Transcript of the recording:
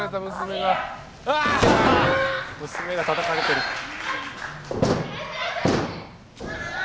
娘がたたかれてる。